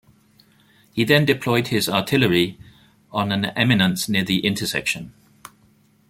He then deployed his artillery on an eminence near the intersection.